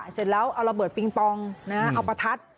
เสร็จแล้วเอาระเบิดปิงปองเอาประทัด